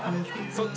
そっち。